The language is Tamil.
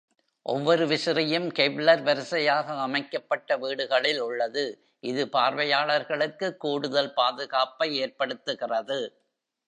ஒவ்வொரு விசிறியும் கெவ்லர் வரிசையாக அமைக்கப்பட்ட வீடுகளில் உள்ளது, இது பார்வையாளர்களுக்கு கூடுதல் பாதுகாப்பை ஏற்படுத்துகிறது.